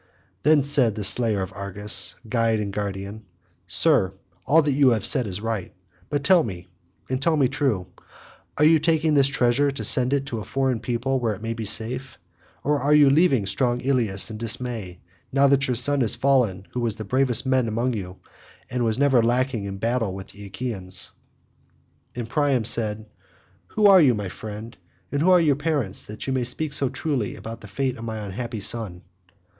Then said the slayer of Argus, guide and guardian, "Sir, all that you have said is right; but tell me and tell me true, are you taking this rich treasure to send it to a foreign people where it may be safe, or are you all leaving strong Ilius in dismay now that your son has fallen who was the bravest man among you and was never lacking in battle with the Achaeans?" And Priam said, "Who are you, my friend, and who are your parents, that you speak so truly about the fate of my unhappy son?"